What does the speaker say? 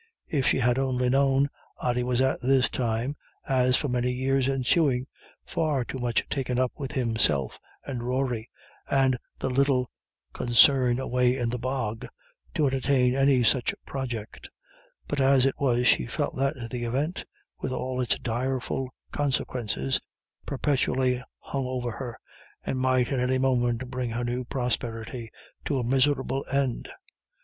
If she had only known, Ody was at this time, as for many years ensuing, far too much taken up with himself, and Rory, and "the little consarn away in the bog," to entertain any such project; but as it was she felt that the event, with all its direful consequences, perpetually hung over her, and might at any moment bring her new prosperity to a miserable end.